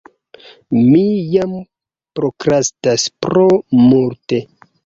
Mi jam prokrastas tro multe